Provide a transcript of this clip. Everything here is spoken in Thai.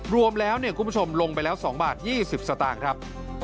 รวมแล้วคุณผู้ชมลงไปแล้ว๒บาท๒๐สตางค์ครับ